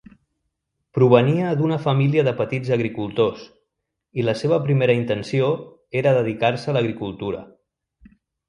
Provenia d'una família de petits agricultors i la seva primera intenció era dedicar-se a l'agricultura.